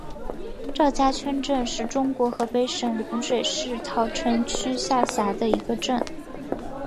赵家圈镇是中国河北省衡水市桃城区下辖的一个镇。